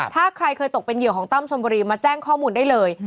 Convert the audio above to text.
ถ้าใครเคยตกเป็นเหยื่อของตั้มชนบุรีมาแจ้งข้อมูลได้เลย